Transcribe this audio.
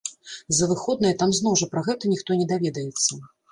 За выходныя там зноў жа пра гэта ніхто не даведаецца.